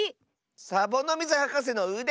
サボノミズはかせのうで！